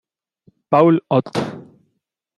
Paul Ott.